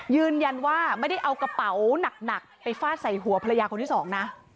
ยืนยันว่าไม่ได้เอากระเป๋าหนักไปฟาดใส่หัวภรรยาคนที่สองนะ